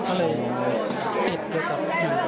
ก็เลยติดอยู่กับ